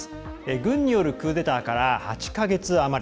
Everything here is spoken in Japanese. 軍によるクーデターから８か月余り。